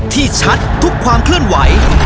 ที่ชัดทุกความเคลื่อนไหว